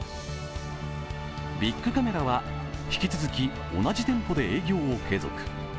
ビックカメラは、引き続き同じ店舗で営業を継続。